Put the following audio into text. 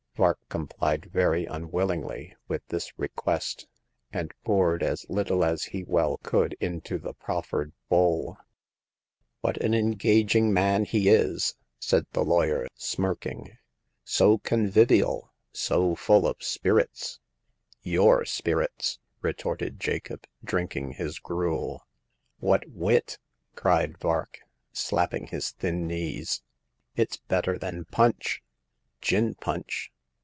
Vark complied very unwillingly with this request, and poured as little as he well could into the proffered bowl. What an engaging man he is !" said the lawyer, smirking— so con vivial, so full of spirits !" "Your spirits!" retorted Jacob, drinking his gruel. What wit !" cried Vark, slapping his thin knees* It's better than Punch I "" Gin punch